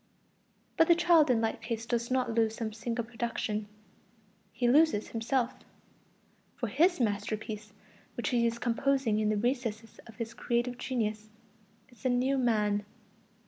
But the child in like case does not lose some single production; he loses himself. For his masterpiece, which he is composing in the recesses of his creative genius, is the new man.